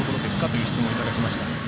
という質問をいただきました。